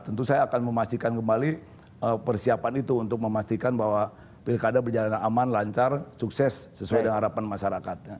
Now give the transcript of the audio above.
tentu saya akan memastikan kembali persiapan itu untuk memastikan bahwa pilkada berjalan aman lancar sukses sesuai dengan harapan masyarakatnya